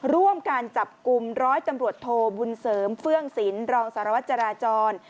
ร่วมการจับกลุ่มร้อยตำรวจโทบุญเสริมเฟื่องศิลป์รองสารวัตรจราจร